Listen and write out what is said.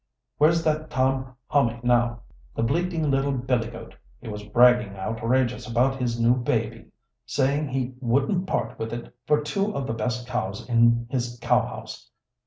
Where's that Tom Hommy now? The bleating little billygoat, he was bragging outrageous about his new baby saying he wouldn't part with it for two of the best cows in his cow house.